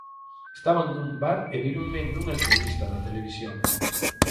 Estaban nun bar e víronme nunha entrevista na televisión.